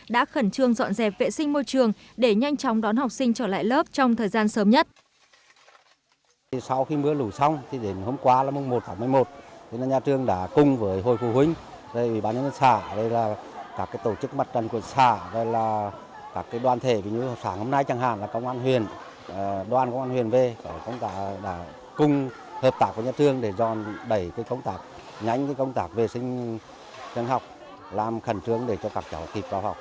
đã khẩn trương dọn dẹp vệ sinh môi trường để nhanh chóng đón học sinh trở lại lớp trong thời gian sớm nhất